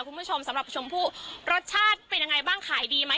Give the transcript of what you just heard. คุณผู้ชมสำหรับชมพู่รสชาติเป็นยังไงบ้างขายดีไหม